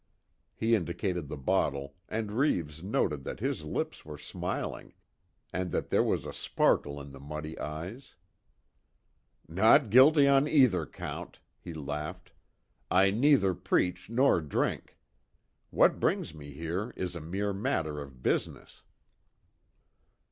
He indicated the bottle and Reeves noted that his lips were smiling, and that there was a sparkle in the muddy eyes. "Not guilty on either count," he laughed, "I neither preach nor drink. What brings me here is a mere matter of business."